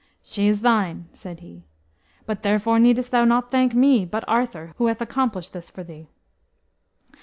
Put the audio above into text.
"She is thine," said he, "but therefore needest thou not thank me, but Arthur, who hath accomplished this for thee."